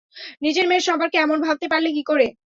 নিজের মেয়ের সম্পর্কে এমন ভাবতে পারলে কী করে?